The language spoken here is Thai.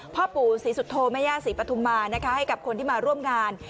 พ่อปู่ศรีสุโธแม่ย่าศรีปฐุมมานะคะให้กับคนที่มาร่วมงาน